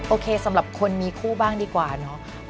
โอเคสำหรับคนมีคู่บ้างดีกว่าเนาะ